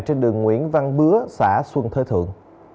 trên đường nguyễn văn bứa xã xuân thới thượng